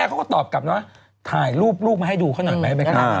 ก็ตอบกลับนะวะถ่ายรูปมาให้ดูครับ